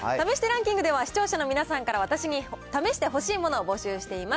試してランキングでは、視聴者の皆さんから私に試してほしいものを募集しています。